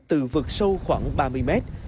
từ vực sâu khoảng ba mươi mét